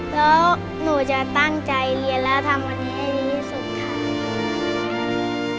แล้วหนูจะตั้งใจเรียนแล้วทำวันนี้ให้ดีที่สุดค่ะ